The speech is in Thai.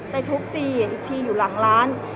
ทุบตีอีกทีอยู่หลังร้าน